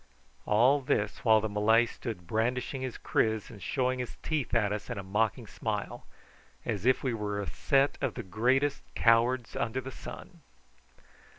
All this while the Malay stood brandishing his kris and showing his teeth at us in a mocking smile, as if we were a set of the greatest cowards under the sun.